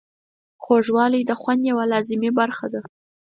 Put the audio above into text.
خوږوالی د خوند یوه لازمي برخه ده.